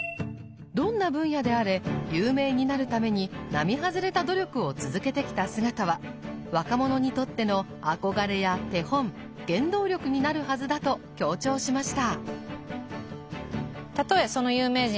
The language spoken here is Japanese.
どんな分野であれ有名になるために並外れた努力を続けてきた姿は若者にとっての憧れや手本原動力になるはずだと強調しました。